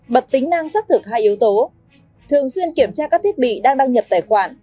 bật tính năng xác thực hai yếu tố thường xuyên kiểm tra các thiết bị đang đăng nhập tài khoản